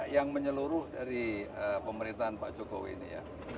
yang menyeluruh dari pemerintahan pak jokowi ini ya